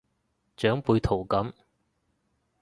長輩圖噉